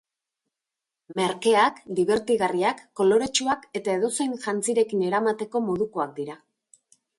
Merkeak, dibertigarriak, koloretsuak eta edozein jantzirekin eramateko modukoak dira.